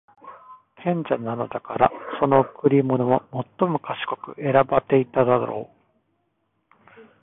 賢者なのだから、その贈り物も最も賢く選ばていただろう。